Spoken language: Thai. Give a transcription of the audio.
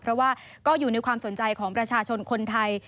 เพราะว่าก็อยู่ในความสนใจของประชาชนคนไทย